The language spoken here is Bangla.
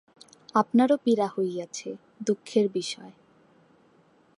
আপনারও পীড়া হইয়াছে, দুঃখের বিষয়।